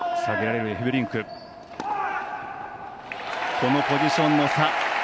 このポジションの差！